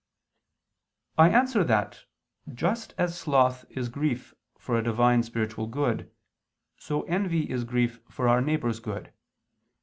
I answer that, Just as sloth is grief for a Divine spiritual good, so envy is grief for our neighbor's good.